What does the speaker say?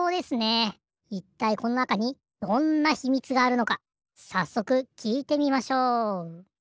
いったいこのなかにどんな秘密があるのかさっそくきいてみましょう。